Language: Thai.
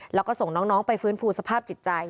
แล้วก็ส่งน้องไปฟื้นฟูสภาพจิตใจ